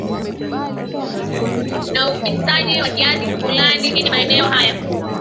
Na upinzani kwa kiasi fulani lakini maeneo haya